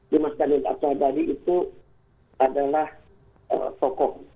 jumat kalimantan apcabadi itu adalah sokong